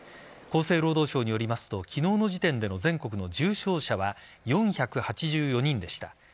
厚生労働省によりますと昨日の時点での全国の重症者は４８４人でした。